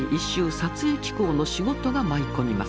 撮影紀行の仕事が舞い込みます。